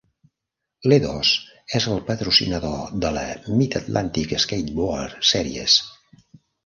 Ledo's és el patrocinador de la Mid-Atlantic Skateboard Series.